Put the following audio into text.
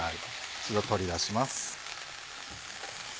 一度取り出します。